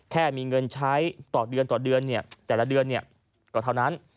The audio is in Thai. แค่มีเงินใช้ต่อเดือนแต่ละเดือนเท่านั้น